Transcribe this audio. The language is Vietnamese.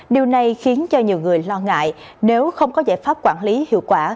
điều này khiến cho nhiều người lo ngại nếu không có giải pháp quản lý hiệu quả